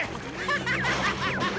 ハハハハハ！